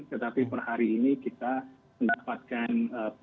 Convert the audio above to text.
tetapi per hari ini kita mendapatkan